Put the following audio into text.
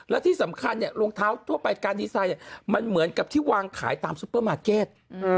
และที่สำคัญเนี่ยรองเท้าทั่วไปการดีไซน์มันเหมือนกับที่วางขายตามซุปเปอร์มาร์เก็ต